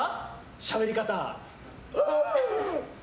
しゃべり方。